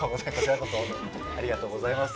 ありがとうございます。